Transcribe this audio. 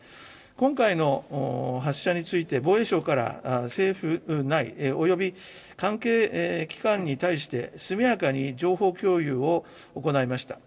今回の発射について、防衛省から政府内および関係機関に対して、速やかに情報共有を行いました。